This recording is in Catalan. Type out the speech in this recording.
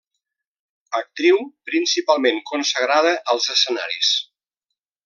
Actriu principalment consagrada als escenaris.